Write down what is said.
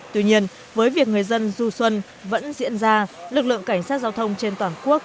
tuy nhiên với việc người dân du xuân vẫn diễn ra lực lượng cảnh sát giao thông trên toàn quốc